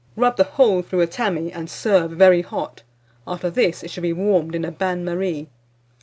Rub the whole through a tammy, and serve very hot. After this, it should be warmed in a bain marie.